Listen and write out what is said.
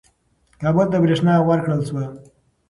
کابل ته برېښنا ورکړل شوه.